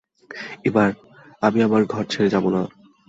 এবার, আমি আমার ঘর ছেড়ে যাবো না।